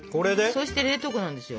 そして冷凍庫なんですよ。